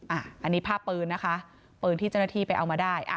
อันนี้ภาพปืนนะคะปืนที่เจ้าหน้าที่ไปเอามาได้